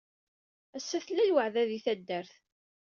Ass-a tella lweɛda di taddart.